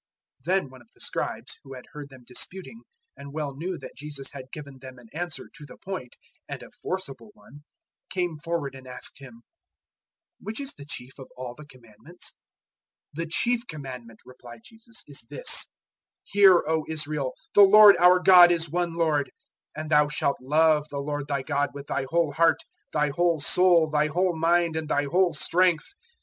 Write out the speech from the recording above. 012:028 Then one of the Scribes, who had heard them disputing and well knew that Jesus had given them an answer to the point, and a forcible one, came forward and asked Him, "Which is the chief of all the Commandments?" 012:029 "The chief Commandment," replied Jesus, "is this: 'Hear, O Israel! The Lord our God is one Lord; 012:030 and thou shalt love the Lord thy God with thy whole heart, thy whole soul, thy whole mind, and thy whole strength.'